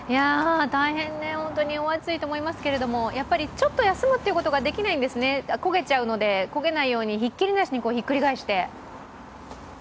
大変、本当にお暑いと思いますけれども、ちょっと休むということができないんですね、焦げちゃうので、焦げないようにひっきりなしにひっくり返して。